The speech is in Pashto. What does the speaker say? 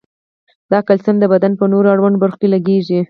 دا کلسیم د بدن په نورو اړوندو برخو کې لګیږي.